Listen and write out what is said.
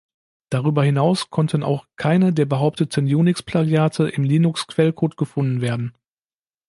Darüber hinaus konnten auch keine der behaupteten Unix-Plagiate im Linux-Quellcode gefunden werden.